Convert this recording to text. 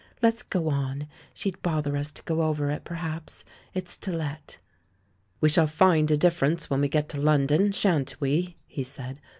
Let's go on — she'd bother us to go over it, perhaps — it's to let." "We shall find a difference when we get to London, shan't we?" he said.